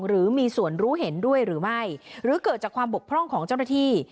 หรือมีส่วนรู้เห็นด้วยหรือไม่หรือเกิดจากความบกพร่องของเจ้าหน้าที่